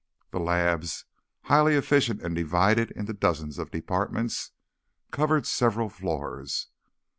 The labs, highly efficient and divided into dozens of departments, covered several floors.